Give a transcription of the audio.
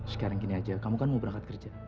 sekarang gini aja kamu kan mau berangkat kerja